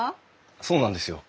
そうなんですよ。